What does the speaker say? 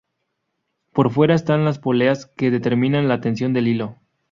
Por fuera están las poleas que determinan la tensión del hilo.